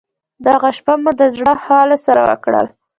دغه شپه مو د زړه خواله سره وکړل.